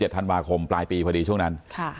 ธันวาคมปลายปีพอดีช่วงนั้น